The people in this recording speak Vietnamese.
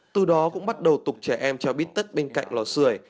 từ đó cũng bắt đầu tục trẻ em treo bít tất bên cạnh lò sưởi